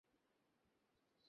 আর তুই পরচুলা বলিস।